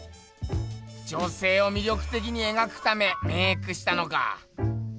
女せいを魅力的にえがくためメークしたのか。